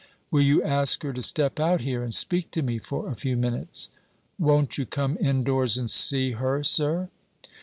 "Will you ask her to step out here and speak to me for a few minutes?" "Won't you come indoors and see her, sir?"